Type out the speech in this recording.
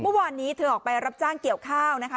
เมื่อวานนี้เธอออกไปรับจ้างเกี่ยวข้าวนะคะ